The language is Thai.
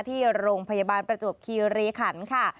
ที่โรงพยาบาลประจวบคีรีขันค่ะ